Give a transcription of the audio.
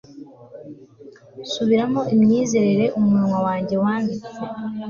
Subiramo Imyizerere umunwa wanjye wanditse